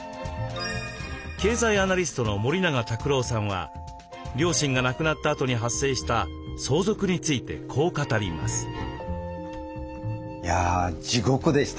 経済アナリストの森永卓郎さんは両親が亡くなったあとに発生した相続についてこう語ります。